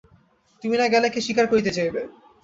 তুমি না গেলে কে শিকার করিতে যাইবে।